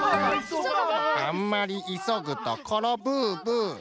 あんまりいそぐところブーブー。